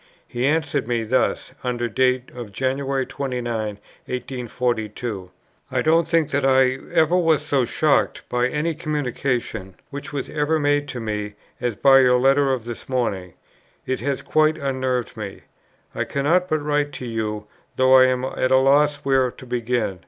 He answered me thus, under date of Jan. 29, 1842: "I don't think that I ever was so shocked by any communication, which was ever made to me, as by your letter of this morning. It has quite unnerved me.... I cannot but write to you, though I am at a loss where to begin....